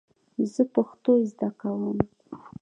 زه پښتو زده کوم